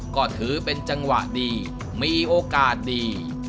ก็ถือเป็นจังหวะดีมีโอกาสดี